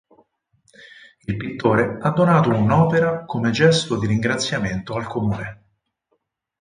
Il pittore ha donato un'opera come gesto di ringraziamento al comune.